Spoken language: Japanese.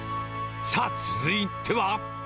さあ、続いては。